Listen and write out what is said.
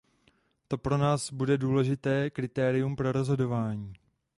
To pro nás bude důležité kritérium pro rozhodování.